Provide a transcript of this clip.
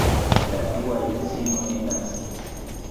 La dua edzino ne naskis.